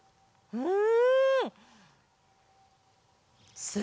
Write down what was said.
うん。